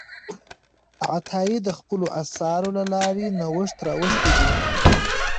عطایي د خپلو اثارو له لارې نوښت راوستی دی.